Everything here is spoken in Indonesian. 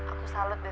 aku salut deh